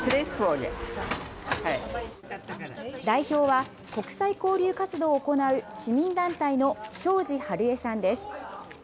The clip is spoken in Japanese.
代表は、国際交流活動を行う市民団体の庄司春江さんです。